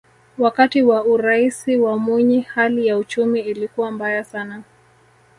wakati wa uraisi wa mwinyi hali ya uchumi ilikuwa mbaya sana